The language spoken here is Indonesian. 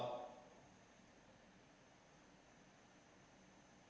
ekspor bahan mentah